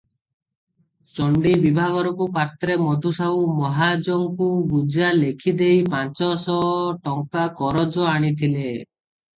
ଚଣ୍ଡୀ ବିଭାଘରକୁ ପାତ୍ରେ ମଧୁସାହୁ ମହାଜଙ୍କୁ ଗୁଜା ଲେଖିଦେଇ ପାଞ୍ଚଶ ଟଙ୍କା କରଜ ଆଣିଥିଲେ ।